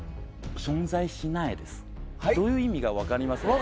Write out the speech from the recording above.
どういう意味か分かりますか？